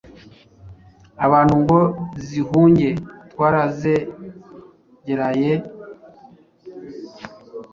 abantu ngo zihunge. Twarazegereye turazitegereza na zo ziratureba